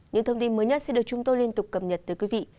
những thông tin mới nhất sẽ được chúng tôi liên tục cập nhật tới quý vị